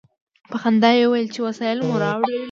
په خندا یې وویل چې وسایل مو راوړل.